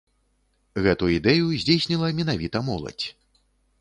Гэту ідэю здзейсніла менавіта моладзь.